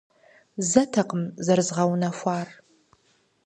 Зэтэкъым зэрызгъэунэхуар.